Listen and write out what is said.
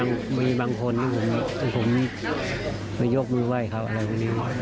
ก็มีบางคนอย่างผมไปยกมือไหว้เขาอะไรอย่างนี้